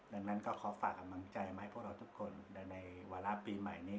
ดังนั้นก็ขอฝากกำลังใจมาให้พวกเราทุกคนในวาระปีใหม่นี้